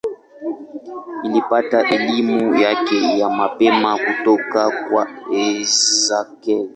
Alipata elimu yake ya mapema kutoka kwa Esakhel.